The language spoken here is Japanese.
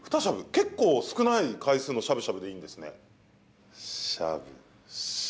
結構少ない回数のしゃぶしゃぶでいいんですね。